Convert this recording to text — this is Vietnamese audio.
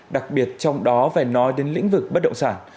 đặc biệt trong đó phải nói đến lĩnh vực bất động sản